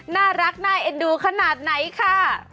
น่ารักน่าเอ็นดูขนาดไหนค่ะ